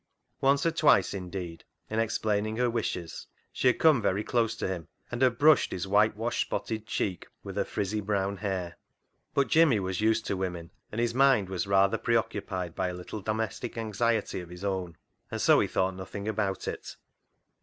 Once or twice, indeed, in explaining her wishes, she had come very close to him, and had brushed his whitewash spotted cheek with her frizzy brown hair. But Jimmy was used to women, and his mind was rather preoccupied by a little domestic anxiety of his own, and so he thought nothing about it.